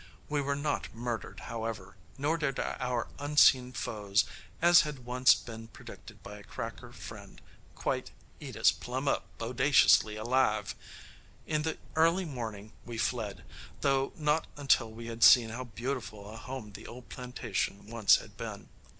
We were not murdered, however, nor did our unseen foes as had once been predicted by a Cracker friend quite "eat us plum up, bodaciously alive." In the early morning we fled, though not until we had seen how beautiful a home the old plantation once had been.